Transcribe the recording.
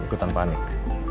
dia ikutan panik